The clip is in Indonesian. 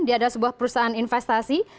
dia adalah sebuah perusahaan investasi